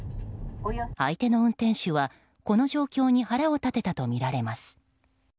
相手の運転手はこの状況に腹を立てたとみられます。